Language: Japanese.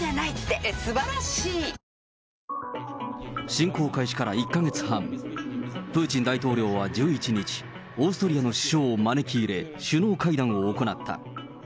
侵攻開始から１か月半、プーチン大統領は１１日、オーストリアの首相を招き入れ、首脳会談を行った。